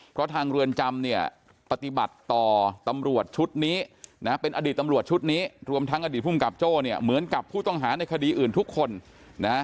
เพราะทางเรือนจำเนี่ยปฏิบัติต่อตำรวจชุดนี้นะเป็นอดีตตำรวจชุดนี้รวมทั้งอดีตภูมิกับโจ้เนี่ยเหมือนกับผู้ต้องหาในคดีอื่นทุกคนนะ